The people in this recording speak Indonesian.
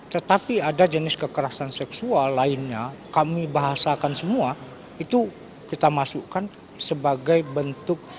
tetapi ada jenis kekerasan seksual lainnya kami bahasakan semua itu kita masukkan sebagai bentuk